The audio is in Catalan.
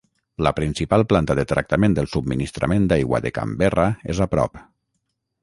La principal planta de tractament del subministrament d'aigua de Canberra és a prop.